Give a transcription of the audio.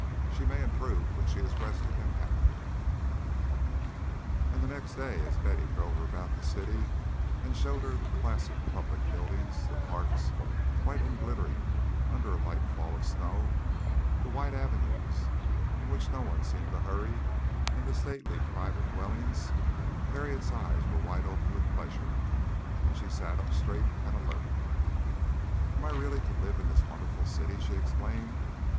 She may improve when she is rested and happier." And the next day, as Betty drove her about the city and showed her the classic public buildings, the parks, white and glittering under a light fall of snow, the wide avenues in which no one seemed to hurry, and the stately private dwellings, Harriet's eyes were wide open with pleasure, and she sat up straight and alert. "And I am really to live in this wonderful city?" she exclaimed.